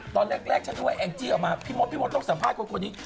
ตอนแรกแล้วก็ว่าพี่มดซีโดมนี่ต้องสามารถอีกอย่าง